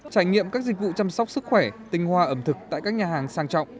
trải nghiệm các dịch vụ chăm sóc sức khỏe tinh hoa ẩm thực tại các nhà hàng sang trọng